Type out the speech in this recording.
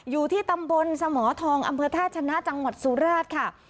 อยู่ที่ตำบลสมทองอำเภอท่าชนะจังหวัดสุราชค่ะ